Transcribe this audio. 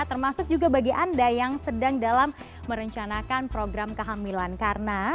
termasuk juga bagi anda yang sedang dalam merencanakan program kehamilan